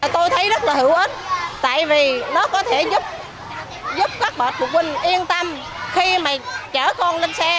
tôi thấy rất là hữu ích tại vì nó có thể giúp các bậc phụ huynh yên tâm khi mà chở con lên xe